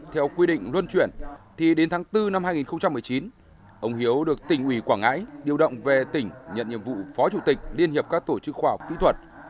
trong luân chuyển thì đến tháng bốn năm hai nghìn một mươi chín ông hiếu được tỉnh ủy quảng ngãi điều động về tỉnh nhận nhiệm vụ phó chủ tịch liên hiệp các tổ chức khoa học tư thuật